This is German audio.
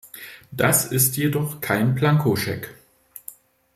Das ist jedoch kein Blankoscheck.